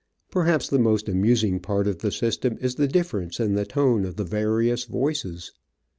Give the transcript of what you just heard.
Perhaps the most amusing part of the system is the difference in the tone of the various voices.